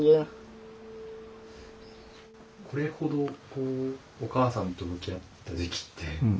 これほどこうお母さんと向き合った時期って。